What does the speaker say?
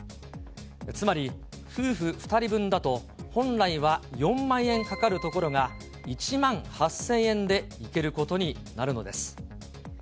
つまり夫婦２人分だと、本来は４万円かかるところが、１万８０００円で行けることになるのです。